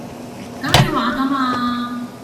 咁你話架嘛